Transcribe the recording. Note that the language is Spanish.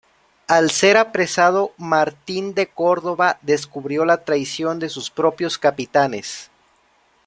Al ser apresado, Martín de Córdoba descubrió la traición de sus propios capitanes.